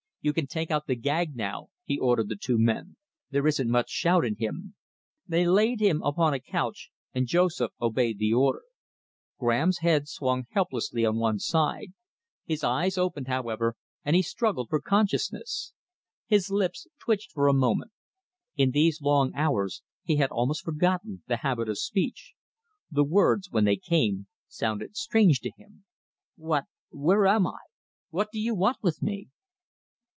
"You can take out the gag now," he ordered the two men. "There isn't much shout in him." They laid him upon a couch, and Joseph obeyed the order. Graham's head swung helplessly on one side. His eyes opened, however, and he struggled for consciousness. His lips twitched for a moment. In these long hours he had almost forgotten the habit of speech. The words, when they came, sounded strange to him. "What where am I? What do you want with me?"